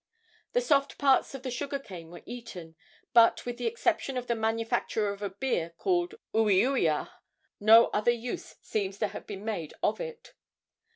The soft parts of the sugar cane were eaten, but, with the exception of the manufacture of a beer called uiuia, no other use seems to have been made of it.